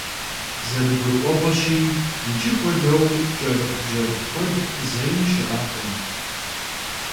Зэрыгурыӏуэгъуэщи, иджы хуэдэу кӏэрыхубжьэрыху куэд зэи щыӏакъым.